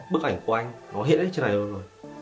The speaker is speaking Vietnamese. bức ảnh của anh nó hiện hết trên này luôn rồi